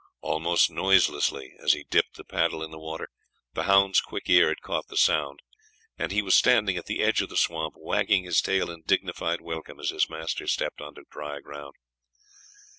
Almost noiselessly as he dipped the paddle in the water, the hound's quick ear had caught the sound, and he was standing at the edge of the swamp, wagging his tail in dignified welcome as his master stepped on to dry land.